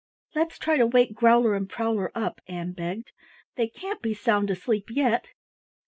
"Let's try to wake Growler and Prowler up," Ann begged. "They can't be sound asleep yet."